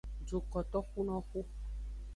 Dukotoxunoxu.